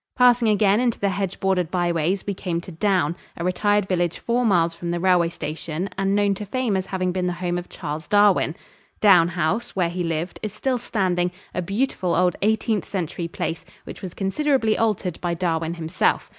Passing again into the hedge bordered byways, we came to Downe, a retired village four miles from the railway station and known to fame as having been the home of Charles Darwin. Downe House, where he lived, is still standing, a beautiful old Eighteenth Century place which was considerably altered by Darwin himself.